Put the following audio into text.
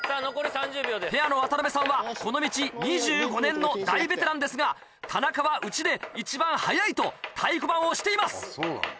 ペアの渡辺さんはこの道２５年の大ベテランですが「田中はうちで一番速い」と太鼓判を押しています。